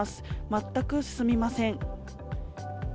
全く進みません。